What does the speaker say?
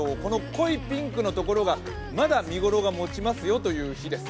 濃いピンクのところがまだ見ごろがもちますよという日です。